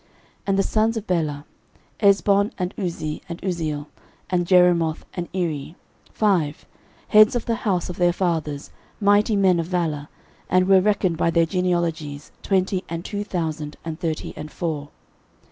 13:007:007 And the sons of Bela; Ezbon, and Uzzi, and Uzziel, and Jerimoth, and Iri, five; heads of the house of their fathers, mighty men of valour; and were reckoned by their genealogies twenty and two thousand and thirty and four.